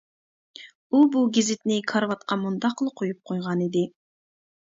ئۇ بۇ گېزىتنى كارىۋاتقا مۇنداقلا قويۇپ قويغانىدى.